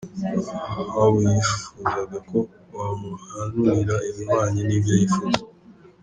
Ahabu yifuzaga ko bamuhanurira ibihwanye n’ibyo yifuza.